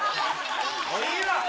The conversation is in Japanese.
もういいわ！